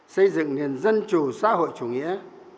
xây dựng nền dân chủ xã hội chủ nghĩa